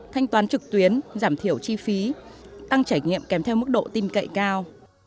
thanh toán trực tuyến giảm thiểu chi phí tăng trải nghiệm kèm theo mức độ tin cậy cao